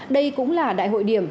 đây cũng là đại hội điểm